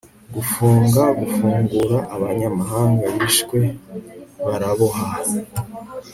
Gufunga gufungura abanyamahanga bishwe baraboha